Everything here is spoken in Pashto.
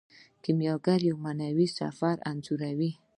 کیمیاګر یو معنوي سفر انځوروي.